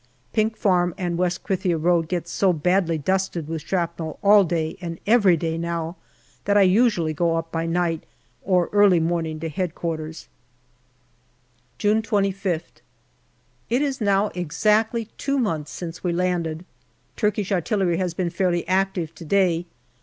Pink Farm and West Krithia road get so badly dusted with shrapnel all day and every day now, that I usually go up by night or early morning to H.Q. June 25th. It is now exactly two months since we landed. Turkish artillery has been fairly active to day.